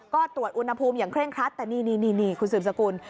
ก็ตรวจอุณหภูมิอย่างเคร่งครัดแต่นี่คุณสืบสกุล